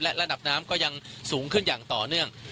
และระดับน้ำก็ยังสูงขึ้นอย่างต่อเนื่อง